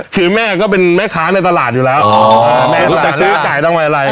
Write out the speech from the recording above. คือแม่ก็เป็นแม่ค้าในตลาดอยู่แล้วอ๋อแม่ตลาดซื้อจ่ายตั้งไว้อะไร